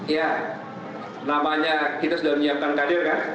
ya namanya kita sudah menyiapkan kader kan